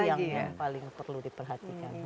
merusak lingkungan itu yang paling perlu diperhatikan